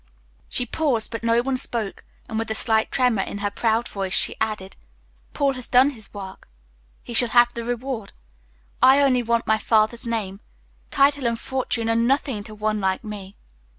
She paused, but no one spoke; and with a slight tremor in her proud voice, she added, "Paul has done the work; he shall have the reward. I only want my father's name. Title and fortune are nothing to one like me.